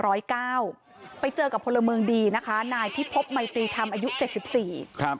อ๋อบอกว่าอย่างนี้อีกแล้วนางแดงบอกว่าคือในชุมชนก็ไม่เคยเกิดเรื่องแบบนี้มาก่อนนะคะ